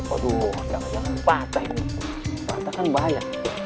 aduh jangan jangan batang bahaya